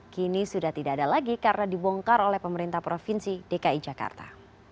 kini sudah tidak ada lagi karena dibongkar oleh pemerintah provinsi dki jakarta